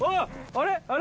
あれ？